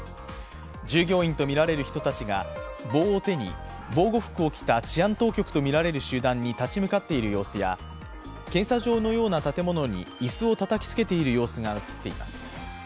従業員とみられる人たちが棒を手に防護服を着た治安当局とみられる集団に立ち向かっている様子や、検査場のような建物に椅子をたたきつけている様子が映っています。